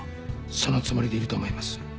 そのつもりでいると思います。